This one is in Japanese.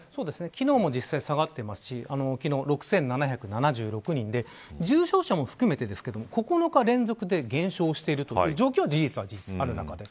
昨日も実際下がっていて昨日は６７７６人で重症者も含めて９日連続で減少しているという事実もあります。